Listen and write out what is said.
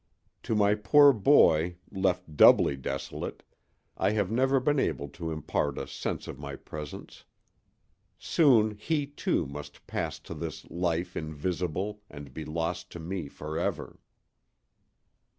To my poor boy, left doubly desolate, I have never been able to impart a sense of my presence. Soon he, too, must pass to this Life Invisible and be lost to me forever.